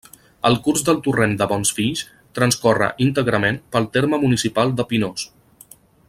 El curs del Torrent de Bonsfills transcorre íntegrament pel terme municipal de Pinós.